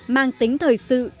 mang tính thời sự